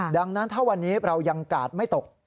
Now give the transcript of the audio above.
ดังนั้นถ้าวันนี้เรายังกาดไม่ตก